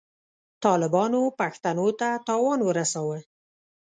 طالبانو پښتنو ته تاوان ورساوه.